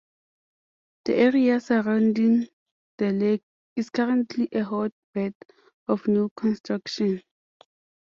The area surrounding the lake is currently a hot bed of new construction.